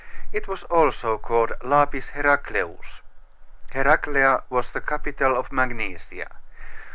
It was also called Lapis Heracleus. Heraclea was the capital of Magnesia.